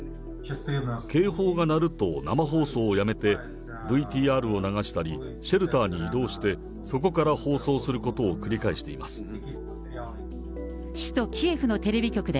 警報が鳴ると生放送をやめて、ＶＴＲを流したり、シェルターに移動して、そこから放送することを繰り返しています。